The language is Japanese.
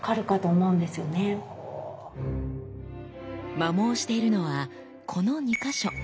摩耗しているのはこの２か所。